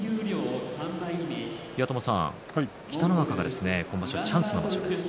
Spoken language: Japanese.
岩友さん、北の若が今場所チャンスの場所です。